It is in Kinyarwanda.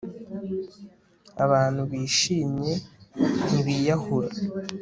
abantu bishimye ntibiyahura